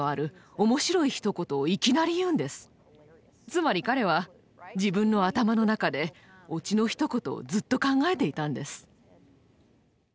つまり彼は自分の頭の中でオチのひと言をずっと考えていたんです。